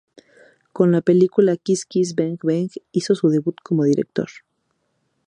Con la película "Kiss Kiss, Bang Bang" hizo su debut como director.